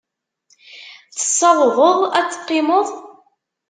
Tessawḍeḍ ad teqqimeḍ?